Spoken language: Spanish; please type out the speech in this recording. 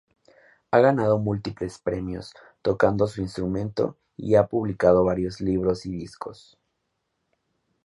Ha ganado múltiples premios tocando su instrumento y ha publicado varios libros y discos.